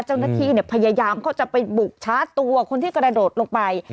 เจ้าหน้าที่พยายามเขาจะไปบุกชาร์จตัวคนที่กระโดดลงไป